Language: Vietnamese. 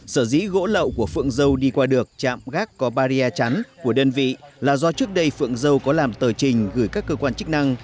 sở dĩ gỗ lậu của phượng dâu đi qua được trạm gác có barrier chắn của đơn vị là do trước đây phượng dâu có làm tờ trình gửi các cơ quan chức năng